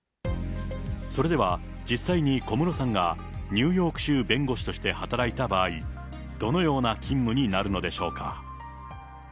それでは、実際に小室さんがニューヨーク州弁護士として働いた場合、どのような勤務になるのでしょうか。